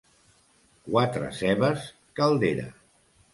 Quatre cebes, caldera.